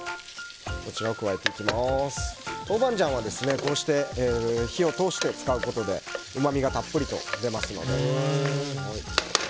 豆板醤はこうして火を通して使うことでうまみがたっぷりと出ますので。